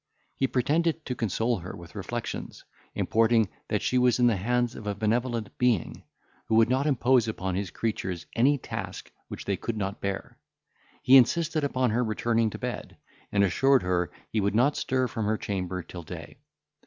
He pretended to console her with reflections, importing, that she was in the hands of a benevolent Being, who would not impose upon his creatures any task which they could not bear; he insisted upon her returning to bed, and assured her he would not stir from her chamber till day.